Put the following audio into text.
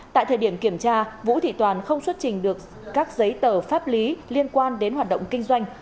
tại thời điểm kiểm tra vũ thị toàn không xuất trình được các giấy tờ pháp lý liên quan đến hoạt động kinh doanh